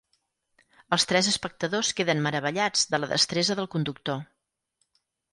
Els tres espectadors queden meravellats de la destresa del conductor.